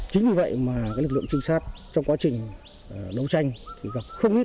chính vì vậy mà lực lượng trinh sát trong quá trình đấu tranh thì gặp không ít